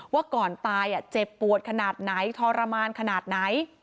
ว่าก่อนตายเจ็บปวดขนาดไหนทรมานขนาดไหน